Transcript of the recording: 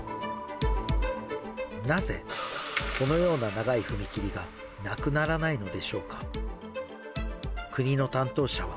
なぜ、このような長い踏切がなくならないのでしょうか。